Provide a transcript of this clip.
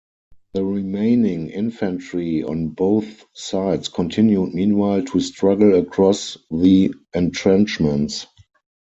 The remaining infantry on both sides continued meanwhile to struggle across the entrenchments.